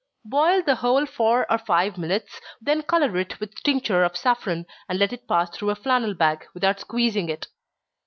Boil the whole four or five minutes, then color it with tincture of saffron, and let it pass through a flannel bag, without squeezing it.